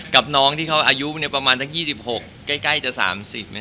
กับน้องที่เขาอายุประมาณสัก๒๖ใกล้จะ๓๐